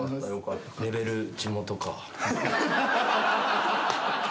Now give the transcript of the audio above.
レベル地元か。